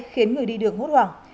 khiến người đi đường hút hoảng